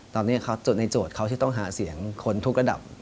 ตอนนี้ในโจทย์เขาที่ต้องหาเสียงคนทุกระดับ